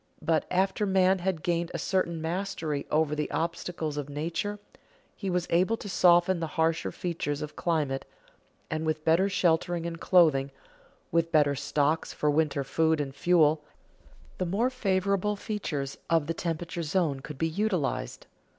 But, after man had gained a certain mastery over the obstacles of nature, he was able to soften the harsher features of climate, and with better shelter and clothing, with better stocks of winter food and fuel, the more favorable features of the temperate zone could be utilized.